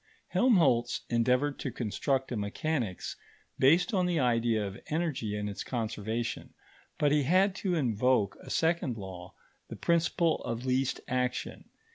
Helmholtz endeavoured to construct a mechanics based on the idea of energy and its conservation, but he had to invoke a second law, the principle of least action.